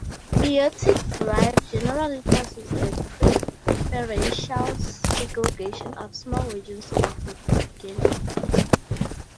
Meiotic drive generally causes the preferential segregation of small regions of the genome.